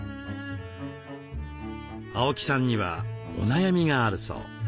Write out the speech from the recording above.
青木さんにはお悩みがあるそう。